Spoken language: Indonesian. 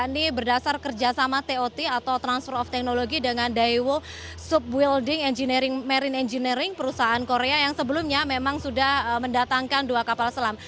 ini berdasar kerjasama tot atau transfer of technology dengan daewo subweilding marine engineering perusahaan korea yang sebelumnya memang sudah mendatangkan dua kapal selam